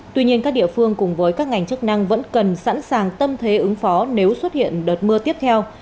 tuy nhiên các địa phương cùng với các ngành chức năng vẫn cần sẵn sàng tâm thế ứng phó nếu xuất hiện đợt mưa tiếp theo